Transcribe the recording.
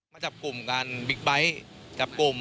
มาจับกลุ่มกันบิ๊กไบท์